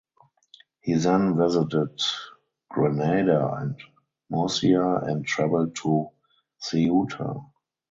He then visited Granada and Murcia and traveled to Ceuta.